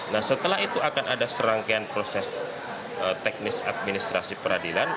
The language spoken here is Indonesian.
nah setelah itu akan ada serangkaian proses teknis administrasi peradilan